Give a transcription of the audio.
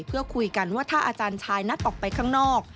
เพื่อคุยกันว่าถ้าอาจารย์ชายนัดออกไปข้างนอก